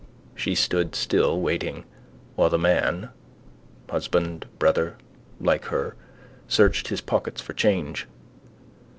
She stood still, waiting, while the man, husband, brother, like her, searched his pockets for change.